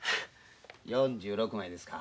４６枚ですか。